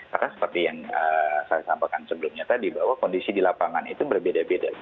karena seperti yang saya sampaikan sebelumnya tadi bahwa kondisi di lapangan itu berbeda beda